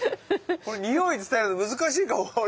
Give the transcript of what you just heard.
これにおい伝えるの難しいかも。